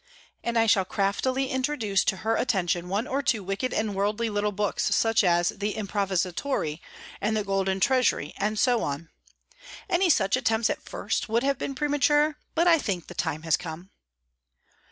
"And I shall craftily introduce to her attention one or two wicked and worldly little books, such as, 'The Improvisatore,' and the 'Golden Treasury,' and so on. Any such attempts at first would have been premature; but I think the time has come."